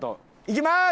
いきます！